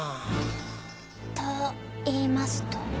といいますと？